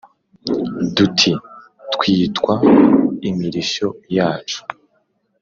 duti twitwa imirishyo. yacu